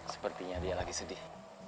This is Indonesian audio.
sepertinya dia sedih